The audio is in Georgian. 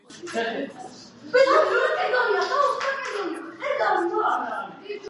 ნასოფლარი განლაგებულია ტერასებად.